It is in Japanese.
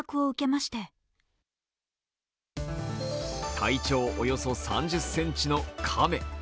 体長およそ３０ｃｍの亀。